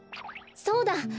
そうだ！